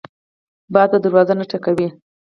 باد په دروازه نه ټکوي